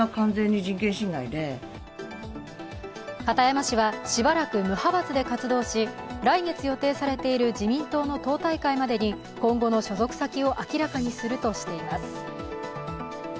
片山氏は、しばらく無派閥で活動し来月予定されている、自民党の党大会までに今後の所属先を明らかにするとしています。